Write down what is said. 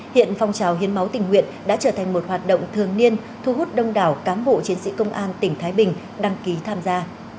hiện phong trào hiến máu tình nguyện đã trở thành một hoạt động thường niên thu hút đông đảo cán bộ chiến sĩ công an tỉnh thái bình đăng ký tham gia